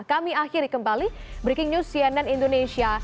kami akhiri kembali breaking news cnn indonesia